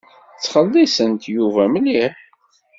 Ttxelliṣent Yuba mliḥ.